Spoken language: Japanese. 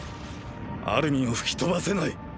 アルミンを吹き飛ばせない。